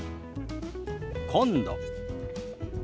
「今度」。